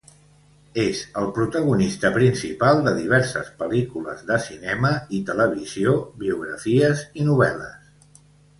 És el protagonista principal de diverses pel·lícules de cinema i televisió, biografies i novel·les.